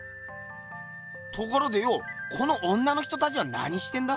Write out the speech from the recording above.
ところでよこの女の人たちは何してんだ？